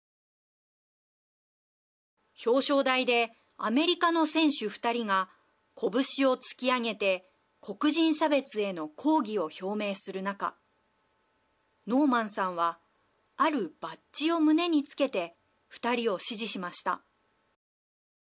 表彰台でアメリカの選手２人が拳を突き上げて黒人差別への抗議を表明する中ノーマンさんはあるバッジを胸につけて２人を支持しました。